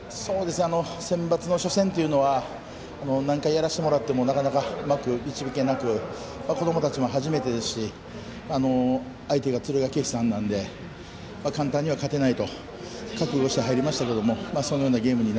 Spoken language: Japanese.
センバツの初戦というのは何回やらせてもらってもなかなかうまくいかず子どもたちも初めてですし相手が敦賀気比さんなので簡単には勝てないと覚悟して入りましたがそのようなゲームに